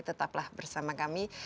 tetaplah bersama kami